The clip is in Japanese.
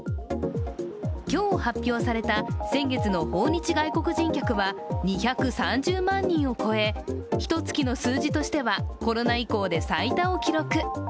今日、発表された先月の訪日外国人客は２３０万人を超えひとつきの数字としてはコロナ以降で最多を記録。